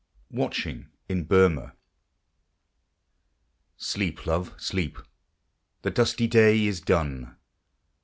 WATCHING. IN BtTRM \H. Sleep, love, sleep ! The dusty day is done.